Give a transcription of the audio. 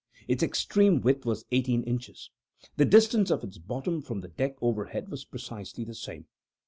Its extreme width was eighteen inches. The distance of its bottom from the deck overhead was precisely the same.